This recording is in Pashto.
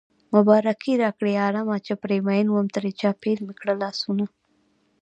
مبارکي راکړئ عالمه چې پرې مين وم ترې چاپېر مې کړل لاسونه